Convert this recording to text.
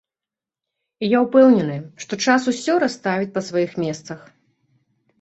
І я ўпэўнены, што час усё расставіць па сваіх месцах.